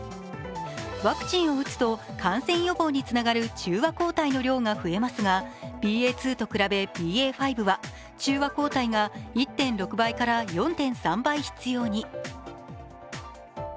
ワクチンを打つと感染予防につながる中和抗体の量が増えますがＢＡ．２と比べＢＡ．５は中和抗体が１．６倍から４．３倍必要に。